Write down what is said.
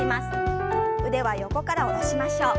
腕は横から下ろしましょう。